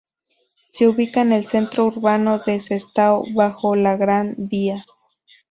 Se ubica en el centro urbano de Sestao, bajo la Gran Vía.